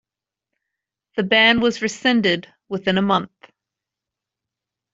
The ban was rescinded within a month.